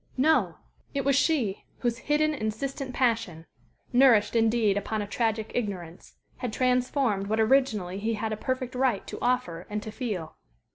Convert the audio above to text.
No! It was she, whose hidden, insistent passion nourished, indeed, upon a tragic ignorance had transformed what originally he had a perfect right to offer and to feel.